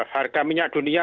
harga minyak dunia